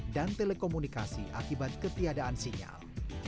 dan telekomunikasi akibat ketiadaan sinyal